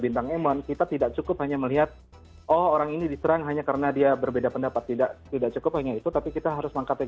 ini bukan lagi sekedar melewati bahasa